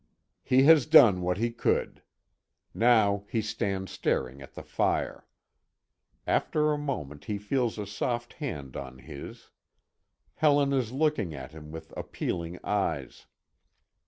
He has done what he could. Now he stands staring at the fire. After a moment he feels a soft hand on his. Helen is looking at him with appealing eyes.